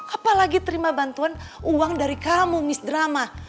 apalagi terima bantuan uang dari kamu miss drama